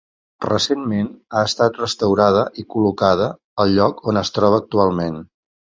Recentment ha estat restaurada i col·locada al lloc on es troba actualment.